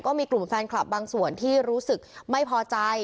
ก็มีกลุ่มแฟนคลับบางส่วนที่รู้สึกไม่พอใจ